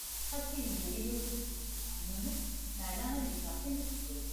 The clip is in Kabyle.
Ɣas tizmilin ussant-d s useḥnunef maɛna ad yeffeɣ kan useggas.